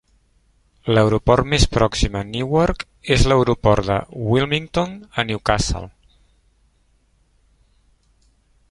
L'aeroport més pròxim a Newark és l'Aeroport de Wilmington a New Castle.